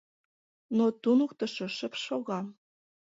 Но туныктышо шып шога.